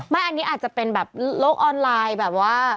อันนี้อาจจะเป็นแบบโลกออนไลน์แบบว่า